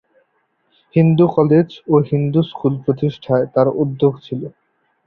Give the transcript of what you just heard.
Hindu college ও Hindu school প্রতিষ্ঠায় তার উদ্যোগে ছিল।